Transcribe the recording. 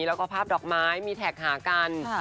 แล้วก็ภาพดอกไม้มีแท็กหากัน